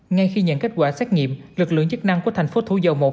ngay khi nhận kết quả xét nghiệm lực lượng chức năng của thành phố thủ dầu một